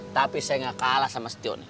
tapi saya gak kalah sama setio nih